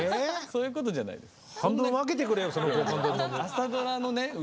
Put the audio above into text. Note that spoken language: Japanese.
そういうことじゃないです。